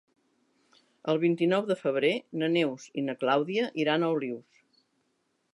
El vint-i-nou de febrer na Neus i na Clàudia iran a Olius.